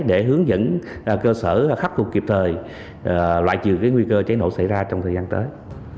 để hướng dẫn cơ sở khắc phục kịp thời loại trừ nguy cơ cháy nổ xảy ra trong thời gian tới